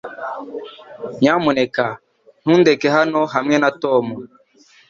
Nyamuneka ntundeke hano hamwe na Tom